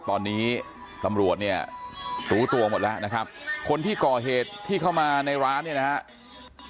ตอนนี้ตำรวจเนี่ยรู้ตัวหมดแล้วนะครับคนที่ก่อเหตุที่เข้ามาในร้านเนี่ยนะครับ